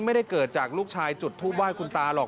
ไม่ได้เกิดจากลูกชายจุดทูปไห้คุณตาหรอก